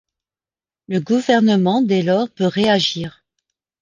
Le gouvernement, dès lors, peut réagir.